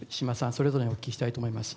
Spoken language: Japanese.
それぞれにお聞きしたいと思います。